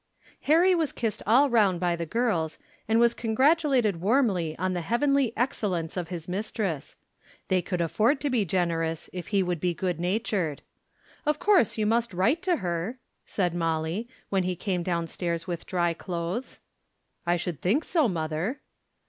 Harry was kissed all round by the girls, and was congratulated warmly on the heavenly excellence of his mistress. They could afford to be generous if he would be good natured. "Of course you must write to her," said Molly, when he came down stairs with dry clothes. "I should think so, mother."